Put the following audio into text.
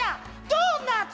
ドーナツ！